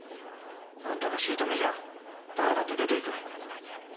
あんたが姑じゃあ誰だって出ていく。